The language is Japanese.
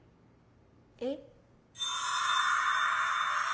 えっ？